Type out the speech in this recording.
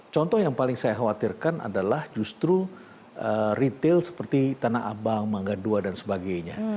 contoh yang paling saya khawatirkan adalah justru retail seperti tanah abang mangga dua dan sebagainya